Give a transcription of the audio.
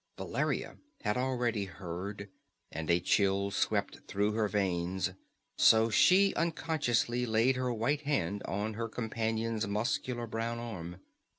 Valeria had already heard, and a chill crept through her veins; so she unconsciously laid her white hand on her companion's muscular brown arm.